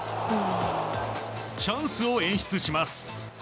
チャンスを演出します。